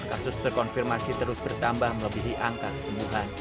kasus terkonfirmasi terus bertambah melebihi angka kesembuhan